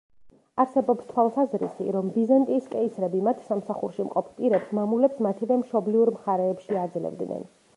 არსებობს თვალსაზრისი, რომ ბიზანტიის კეისრები მათ სამსახურში მყოფ პირებს მამულებს მათივე მშობლიურ მხარეებში აძლევდნენ.